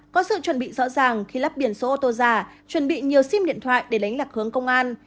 có sự chuẩn bị rõ ràng khi lắp biển số ô tô giả chuẩn bị nhiều sim điện thoại để đánh lạc hướng công an